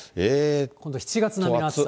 ７月並みの暑さ。